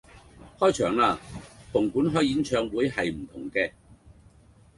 開場啦，紅館開演唱會係唔同既！